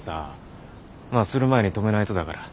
まあする前に止めないとだから。